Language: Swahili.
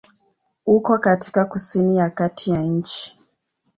Uko katika kusini ya kati ya nchi.